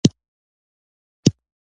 سیاسي مقابله کې پرېمانه استفاده وشوه